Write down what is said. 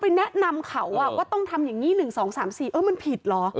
แนะนำเขาว่าต้องทำอย่างนี้๑๒๓๔เออมันผิดเหรอ